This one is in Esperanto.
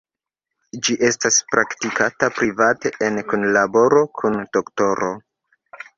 Ĝi estas praktikata private en kunlaboro kun doktoro.